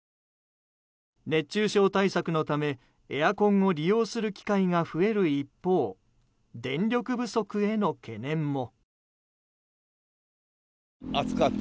熱中症対策のためエアコンを利用する機会が増える一方電力不足への懸念も。